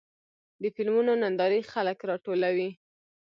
د فلمونو نندارې خلک راټولوي.